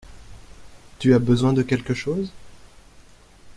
Tu as besoin de quelque chose?